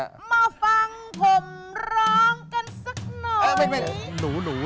มาฟังผมร้องกันสักหน่อย